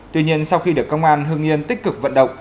tuy nhiên sau khi được công an hương yên tích cực vận động